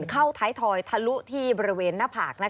เข้าท้ายทอยทะลุที่บริเวณหน้าผาก